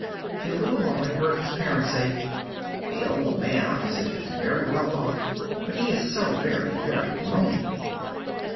The little boy heard his parents say, "The old man opposite is very well off, but he is so very, very lonely!"